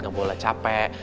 gak boleh capek